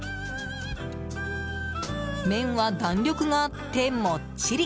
麺は弾力があって、もっちり。